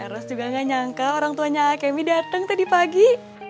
ros juga nggak nyangka orang tuanya akemi datang tadi pagi